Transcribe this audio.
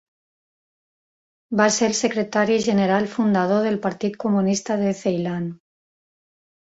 Va ser el secretari general fundador del Partit Comunista de Ceilan.